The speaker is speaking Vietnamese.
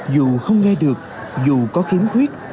dù không nghe được dù có khiếm khuyết